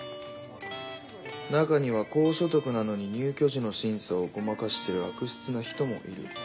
中には高所得なのに入居時の審査をごまかしてる悪質な人もいる。